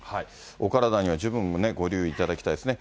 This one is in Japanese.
お体には十分、ご留意いただきたいですね。